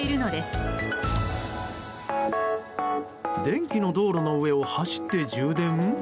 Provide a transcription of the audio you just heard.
電気の道路の上を走って充電？